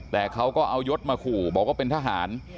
แต่เขาก็เอายศมาขู่บอกว่าเป็นทหาร